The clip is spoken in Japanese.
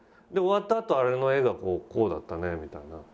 で終わったあと「あれの絵がこうだったね」みたいな。